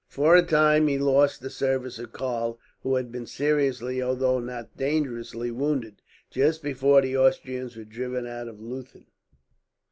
For a time he lost the service of Karl, who had been seriously although not dangerously wounded, just before the Austrians were driven out of Leuthen.